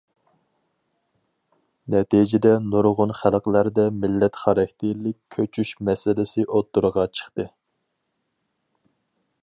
نەتىجىدە نۇرغۇن خەلقلەردە مىللەت خاراكتېرلىك كۆچۈش مەسىلىسى ئوتتۇرىغا چىقتى.